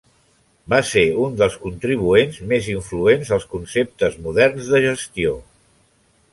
Va ser un dels contribuents més influents als conceptes moderns de gestió.